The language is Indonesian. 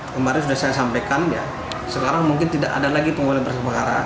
kemarin sudah saya sampaikan ya sekarang mungkin tidak ada lagi penggunaan berkas perkara